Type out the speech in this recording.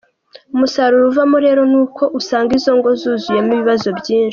Umusaruro uvamo rero ni uko usanga izo ngo zuzuyemo ibibazo byinshi.